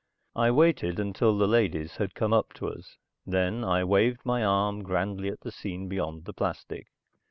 I waited until the ladies had come up to us, then I waved my arm grandly at the scene beyond the plastic.